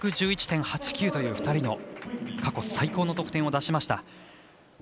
２１１．８９という２人の過去最高の得点を出しました。